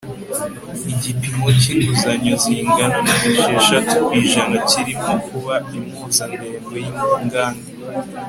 igipimo cyinguzanyo zingana na esheshatu ku ijana kirimo kuba impuzandengo yinganda